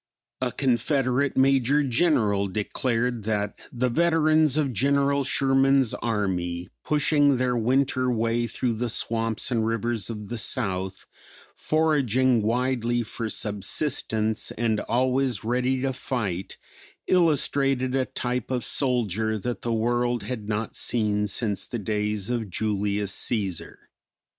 A Confederate Major General declared that the veterans of General Sherman's army, pushing their winter way through the swamps and rivers of the South; foraging widely for subsistance and always ready to fight, illustrated a type of soldier that the world had not seen since the days of Julius Cæsar.